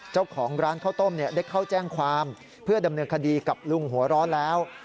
เจ้าของร้านข้าวต้มได้เข้าแจ้งความเพื่อดำเนินคดีกับลุงหัวร้อนแล้ว